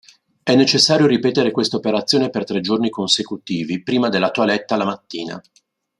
È necessario ripetere questa operazione per tre giorni consecutivi, prima della toilette alla mattina.